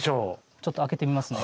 ちょっと開けてみますね。